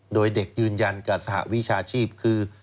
โดยเด็กยืนยันกับสหวิชาชีพคือ